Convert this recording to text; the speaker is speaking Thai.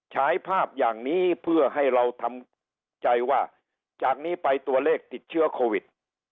ฉายภาพอย่างนี้เพื่อให้เราทำใจว่าจากนี้ไปตัวเลขติดเชื้อโควิด